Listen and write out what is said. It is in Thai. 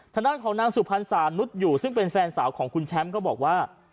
ทางด้านของนางสุพรรณสานุษย์อยู่ซึ่งเป็นแฟนสาวของคุณแชมป์ก็บอกว่า